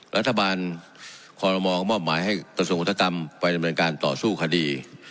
รัฐบาลควรมองค์มอบหมายให้ส่วนคุณธกรรมไปเป็นการต่อสู้คดี